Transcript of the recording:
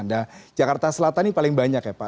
nah jakarta selatan ini paling banyak ya pak